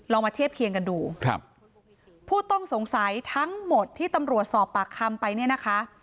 มาเทียบเคียงกันดูครับผู้ต้องสงสัยทั้งหมดที่ตำรวจสอบปากคำไปเนี่ยนะคะ